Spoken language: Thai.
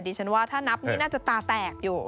ดิฉันว่าถ้านับนี่น่าจะตาแตกอยู่